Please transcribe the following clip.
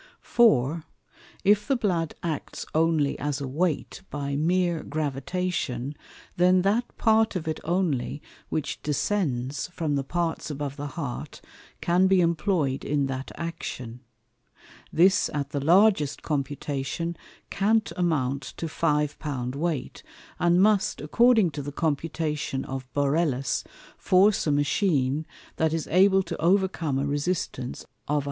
For, if the Blood acts only as a weight by meer gravitation, then that part of it only which descends from the Parts above the Heart can be employ'd in that Action. This at the largest computation can't amount to Five pound weight, and must, according to the computation of Borellus, force a Machine, that is able to overcome a resistance of 135,000_l.